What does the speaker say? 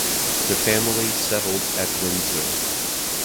The family settled at Windsor.